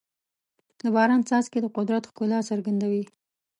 د باران څاڅکي د قدرت ښکلا څرګندوي.